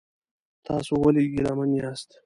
تاسو ولې ګیلمن یاست؟